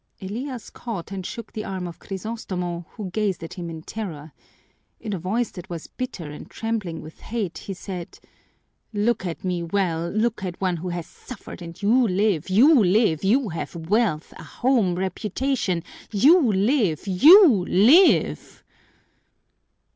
Elias caught and shook the arm of Crisostomo, who gazed at him in terror. In a voice that was bitter and trembling with hate, he said, "Look at me well, look at one who has suffered and you live, you live, you have wealth, a home, reputation you live, you live!"